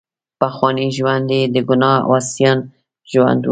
پخوانی ژوند یې د ګناه او عصیان ژوند وو.